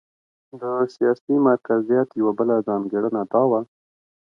د سیاسي مرکزیت یوه بله ځانګړنه دا وه.